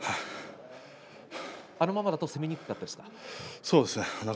あのままだと攻めにくかったですか。